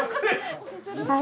はい。